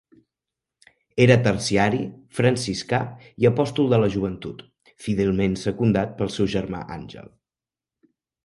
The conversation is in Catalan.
Era Terciari Franciscà i Apòstol de la Joventut, fidelment secundat pel seu germà Àngel.